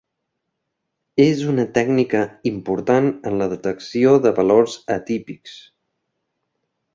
És una tècnica important en la detecció de valors atípics.